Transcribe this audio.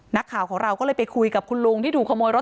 นักข่าวของเราก็เลยไปคุยกับคุณลุงที่ถูกขโมยรถ